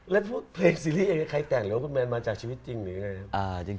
แล้วเพลงซีรีส์เองใครแต่งหรือว่าคุณแมนมาจากชีวิตจริงหรือไงครับ